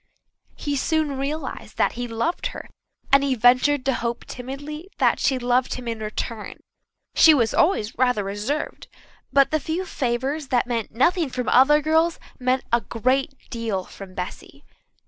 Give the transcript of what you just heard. He soon realized that he loved her, and he ventured to hope timidly that she loved him in return. She was always rather reserved, but the few favours that meant nothing from other girls meant a great deal from Bessy.